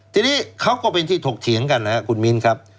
ทีนี้เขาก็เป็นที่ถกเถียงกันนะครับคุณมิ้นครับ